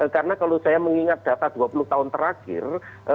karena kalau saya mengingat data dua puluh tahun terakhir